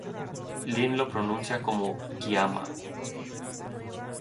Lynne lo pronuncia como "Ki-ama".